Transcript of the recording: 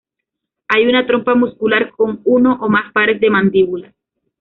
Hay una trompa muscular con uno o más pares de mandíbulas.